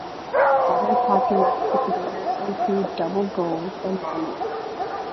Other popular cultivars include 'Double Gold' and 'Marmalade'.